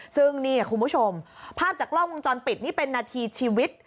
ซึ่งนี่คุณผู้ชมภาพจากกล้องวงจรปิดนี่เป็นนาทีชีวิต